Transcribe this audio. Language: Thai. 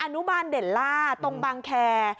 อนุบาลเดลล่าตรงบางแคร์